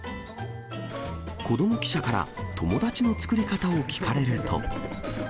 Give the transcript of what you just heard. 子ども記者から、友達の作り方を聞かれると。